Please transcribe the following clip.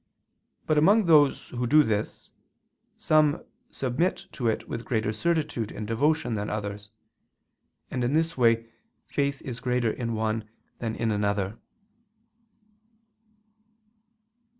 But among those who do this, some submit to it with greater certitude and devotion than others; and in this way faith is greater in one than in another.